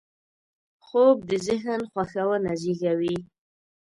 خوب د ذهن خوښونه زېږوي